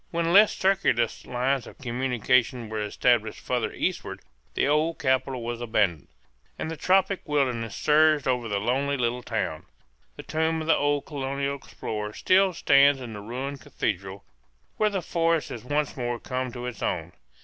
When less circuitous lines of communication were established farther eastward the old capital was abandoned, and the tropic wilderness surged over the lonely little town. The tomb of the old colonial explorer still stands in the ruined cathedral, where the forest has once more come to its own.